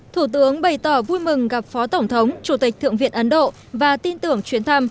thủ tướng bày tỏ vui mừng gặp phó tổng thống chủ tịch thượng viện ấn độ và tin tưởng chuyến thăm